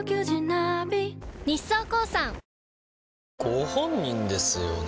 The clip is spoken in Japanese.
ご本人ですよね？